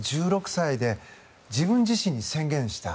１６歳で、自分自身で宣言した。